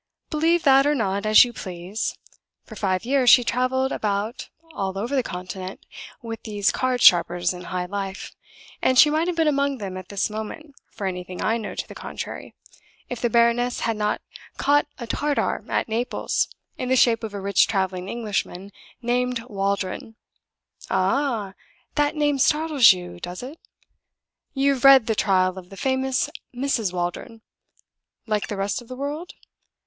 Believe that or not, as you please. For five years she traveled about all over the Continent with these card sharpers in high life, and she might have been among them at this moment, for anything I know to the contrary, if the baroness had not caught a Tartar at Naples, in the shape of a rich traveling Englishman, named Waldron. Aha! that name startles you, does it? You've read the Trial of the famous Mrs. Waldron, like the rest of the world?